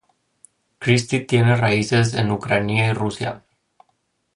Christie tiene raíces de Ucrania y Rusia.